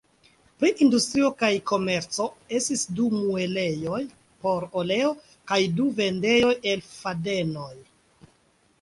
Pri industrio kaj komerco estis du muelejoj por oleo kaj du vendejoj el fadenoj.